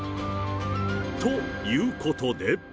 ということで。